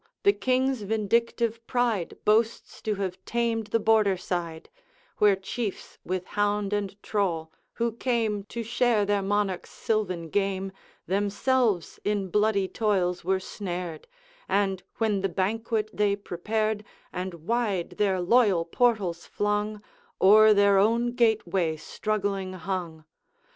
The King's vindictive pride Boasts to have tamed the Border side, Where chiefs, with hound and trawl; who came To share their monarch's sylvan game, Themselves in bloody toils were snared, And when the banquet they prepared, And wide their loyal portals flung, O'er their own gateway struggling hung.